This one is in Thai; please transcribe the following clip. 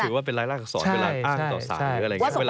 ถือว่าเป็นรายลากส่วน